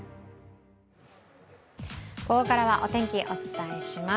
ここからはお天気、お伝えします。